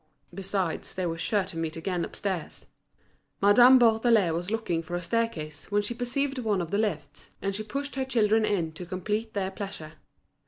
Besides, they were sure to meet again upstairs. Madame Bourdelais was looking for a staircase when she perceived one of the lifts; and she pushed her children in to complete their pleasure.